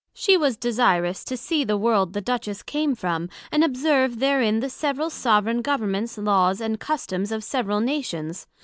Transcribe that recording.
she was desirious to see the World the Duchess came from, and observe therein the several sovereign Governments, Laws and Customs of several Nations.